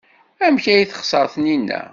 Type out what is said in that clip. Amek ay texṣer Taninna?